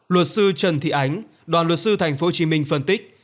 luật sư trần thị ánh đoàn luật sư tp hcm phân tích